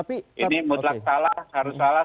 ini mutlak salah harus salah